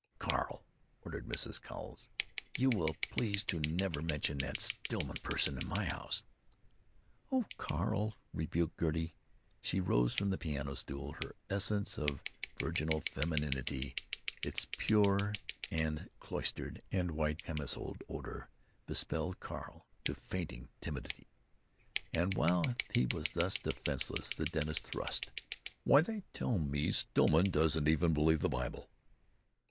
'" "Carl," ordered Mrs. Cowles, "you will please to never mention that Stillman person in my house!" "Oh, Carl!" rebuked Gertie. She rose from the piano stool. Her essence of virginal femininity, its pure and cloistered and white camisoled odor, bespelled Carl to fainting timidity. And while he was thus defenseless the dentist thrust: "Why, they tell me Stillman doesn't even believe the Bible!"